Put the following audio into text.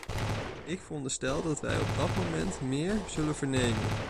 Ik veronderstel dat wij op dat moment meer zullen vernemen.